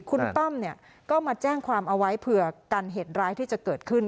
คุณต้อมเนี่ยก็มาแจ้งความเอาไว้เผื่อกันเหตุร้ายที่จะเกิดขึ้น